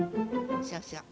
そうそう。